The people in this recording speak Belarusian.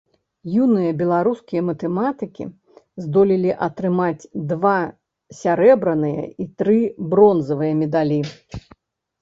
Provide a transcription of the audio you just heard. Юныя беларускія матэматыкі здолелі атрымаць два сярэбраныя і тры бронзавыя медалі.